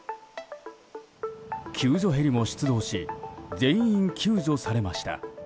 救助ヘリも出動し全員救助されました。